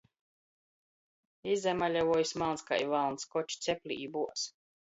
Izamaļavuojs malns kai valns. Koč ceplī i buoz!